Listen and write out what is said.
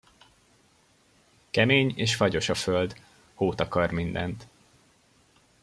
Kemény és fagyos a föld, hó takar mindent.